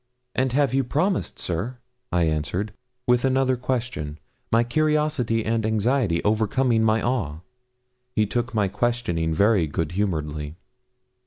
'And have you promised, sir?' I answered, with another question, my curiosity and anxiety overcoming my awe. He took my questioning very good humouredly.